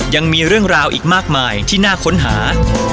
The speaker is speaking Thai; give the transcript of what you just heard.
ยังมีเรื่องราวอีกมากมายที่น่าค้นหา